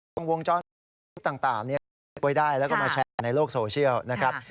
วงวงจ้อนต่างเนี้ยได้แล้วก็มาแชร์ในโลกโซเชียลนะครับ